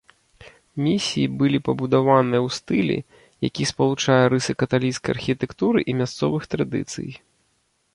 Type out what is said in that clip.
Місіі былі пабудаваныя ў стылі, які спалучае рысы каталіцкай архітэктуры і мясцовых традыцый.